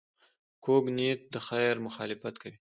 کوږ نیت د خیر مخالفت کوي